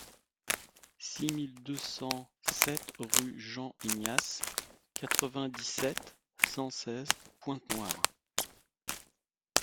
six mille deux cent sept rue Jean Ignace, quatre-vingt-dix-sept, cent seize, Pointe-Noire